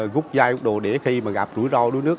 gúc dai đuối đuối để khi gặp rủi ro đuối nước